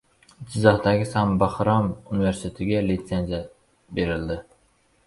Jizzaxdagi Sambhram universitetiga litsenziya berildi